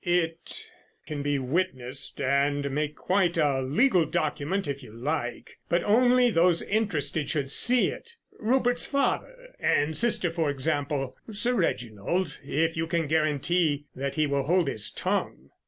It can be witnessed and made quite a legal document if you like, but only those interested should see it—Rupert's father and sister, for example; Sir Reginald, if you can guarantee that he will hold his tongue."